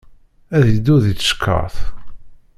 Ad iddu di tcekkaṛt.